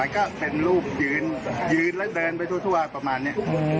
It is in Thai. ก็เป็นรูปยืนยืนแล้วเดินไปทั่วประมาณนี้